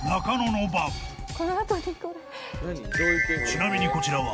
［ちなみにこちらは］